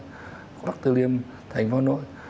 có tạo phương ngã xuân đình quốc tế liêm thành phố hà nội